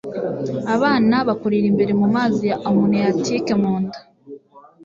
abana bakurira imbere mumazi ya amniotic munda